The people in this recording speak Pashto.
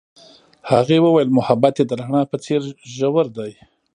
هغې وویل محبت یې د رڼا په څېر ژور دی.